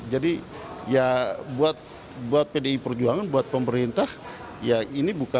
jadi ya buat pdi perjuangan buat pemerintah ya ini